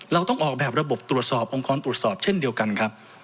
เราต้องออกแบบระบบตรวจสอบองค์กรตรวจสอบเช่นเดียวกันครับ